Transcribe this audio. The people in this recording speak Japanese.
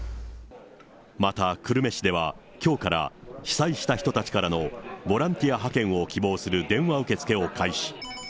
また久留米市では、きょうから、被災した人たちからのボランティア派遣を希望する電話受け付けを開始。